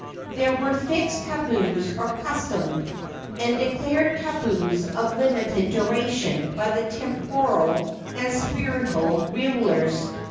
There were fixed tabus of custom, and declared tabus of limited duration by the temporal and spiritual rulers.